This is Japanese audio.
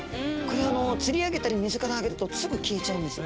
これ釣り上げたり水から上げるとすぐ消えちゃうんです。